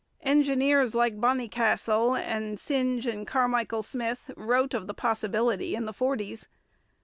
Engineers like Bonnycastle and Synge and Carmichael Smyth wrote of the possibility in the forties.